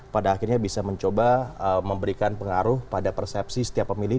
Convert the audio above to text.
pada akhirnya bisa mencoba memberikan pengaruh pada persepsi setiap pemilih